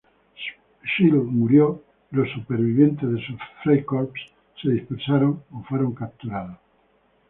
Schill murió, y los sobrevivientes de sus freikorps se dispersaron o fueron capturados.